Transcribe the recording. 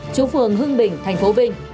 trung phường hưng bình tp vinh